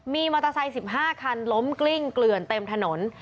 มีมอเตอร์ไซค์๑๕คันล้มกลิ้งเกลื่อนเต็มถนน